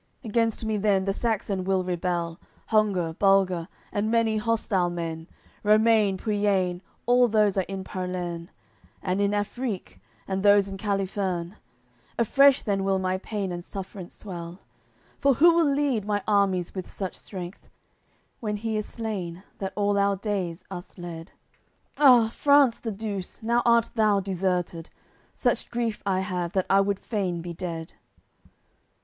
Against me then the Saxon will rebel, Hungar, Bulgar, and many hostile men, Romain, Puillain, all those are in Palerne, And in Affrike, and those in Califerne; Afresh then will my pain and suffrance swell. For who will lead my armies with such strength, When he is slain, that all our days us led? Ah! France the Douce, now art thou deserted! Such grief I have that I would fain be dead."